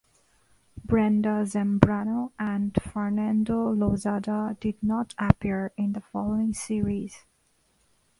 Brenda Zambrano and Fernando Lozada did not appear in the following series.